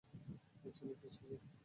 এর জন্য পিছিয়ে যাবে?